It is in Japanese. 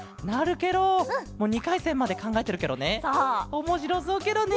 おもしろそうケロね。